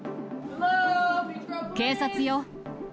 警察よ。